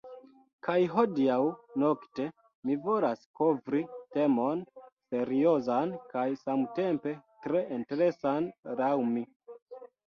Kaj hodiaŭ nokte mi volas kovri temon seriozan kaj samtempe tre interesan laŭ mi.